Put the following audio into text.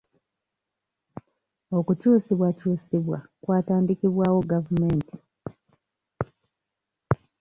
Okukyusibwakyusibwa kwatandikibwawo gavumenti.